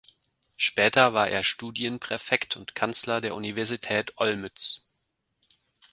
Später war er Studienpräfekt und Kanzler der Universität Olmütz.